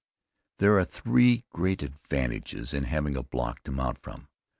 There are three great advantages in having a block to mount from.